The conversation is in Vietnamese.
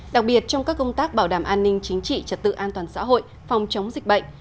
đặc biệt trong các công tác bảo đảm an ninh chính trị trật tự an toàn xã hội phòng chống dịch bệnh